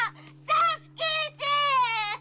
助けてぇ！